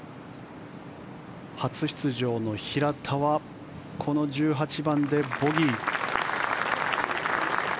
初出場の平田はこの１８番でボギー。